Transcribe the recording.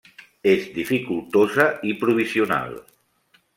És dificultosa i provisional.